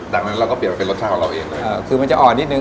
ดังนั้นเราก็เปลี่ยนมาเป็นรสชาติของเราเองเลยเออคือมันจะอ่อนนิดนึ